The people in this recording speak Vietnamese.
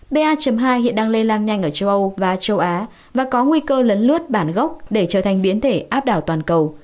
ba hai hiện đang lây lan nhanh ở châu âu và châu á và có nguy cơ lấn lướt bản gốc để trở thành biến thể áp đảo toàn cầu